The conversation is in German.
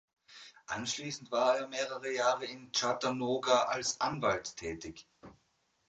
Anschließend war er mehrere Jahre in Chattanooga als Anwalt tätig.